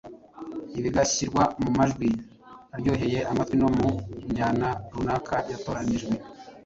bigashyirwa mu majwi aryoheye amatwi no mu njyana runaka yatoranyijwe.